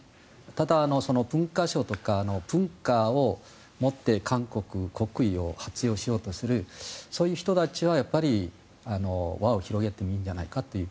ただ、文化省とか文化をもって韓国の国威を発揚しようとするそういう人たちはやっぱり輪を広げてもいいんじゃないかと。